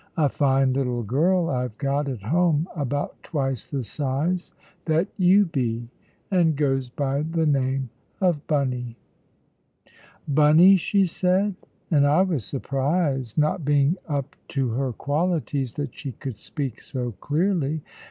A fine little girl I've got at home, about twice the size that you be, and goes by the name of 'Bunny.'" "Bunny!" she said; and I was surprised, not being up to her qualities, that she could speak so clearly.